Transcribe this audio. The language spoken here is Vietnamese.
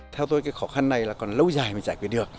theo tôi cái khó khăn này là còn lâu dài mới giải quyết được